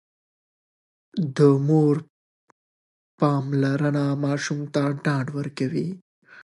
د مور پاملرنه ماشوم ته ډاډ ورکوي.